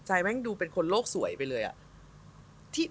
แม่งดูเป็นคนโลกสวยไปเลยอะ